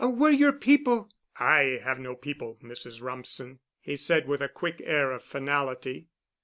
Were your people——?" "I have no people, Mrs. Rumsen," he said with a quick air of finality.